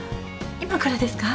今からですか？